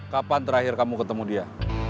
kapan terakhir kamu ketemu dia